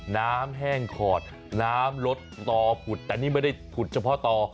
แห้งขอดน้ำลดต่อผุดแต่นี่ไม่ได้ผุดเฉพาะต่อ